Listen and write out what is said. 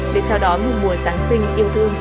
để chào đón mùa mùa giáng sinh yêu thương